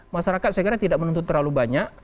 masyarakat segera tidak menuntut terlalu banyak